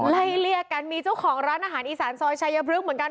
ไล่เลี่ยกันมีเจ้าของร้านอาหารอีสานซอยชายพลึกเหมือนกัน